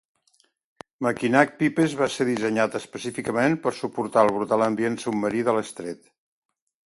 Mackinac pipes va ser dissenyat específicament per suportar el brutal ambient submarí de l'estret.